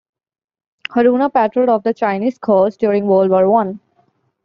"Haruna" patrolled off the Chinese coast during World War One.